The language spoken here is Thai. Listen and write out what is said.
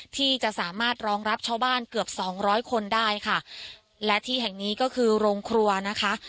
ที่จะสามารถรองรับชาวบ้านเกือบสองร้อยคนได้ค่ะและที่แห่งนี้ก็คือโรงครัวนะคะ